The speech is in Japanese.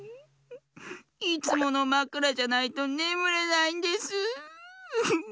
いつものまくらじゃないとねむれないんです。